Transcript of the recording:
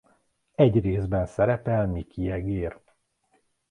Egy részben szerepel Mickey egér.